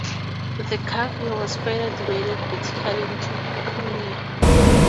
The "cavea" was further divided vertically into "cunei".